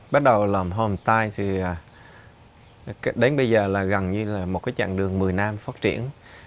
bắt đầu làm homestay thì đến bây giờ là gần như là một cái chặng đường một mươi nam phát triển